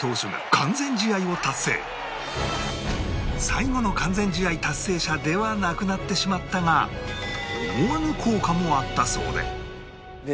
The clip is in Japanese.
最後の完全試合達成者ではなくなってしまったが思わぬ効果もあったそうで